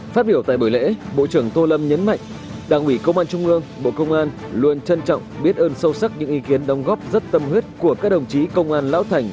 phát biểu tại buổi lễ bộ trưởng tô lâm nhấn mạnh đảng ủy công an trung ương bộ công an luôn trân trọng biết ơn sâu sắc những ý kiến đồng góp rất tâm huyết của các đồng chí công an lão thành